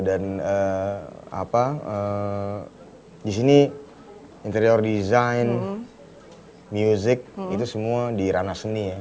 dan apa di sini interior design music itu semua di ranah seni ya